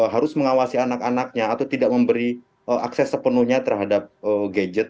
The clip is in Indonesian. harus mengawasi anak anaknya atau tidak memberi akses sepenuhnya terhadap gadget